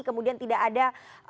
kemudian tidak ada